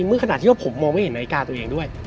เมื่อขนาดที่ว่าผมมองไม่เห็นนาฬิกาตัวเองด้วย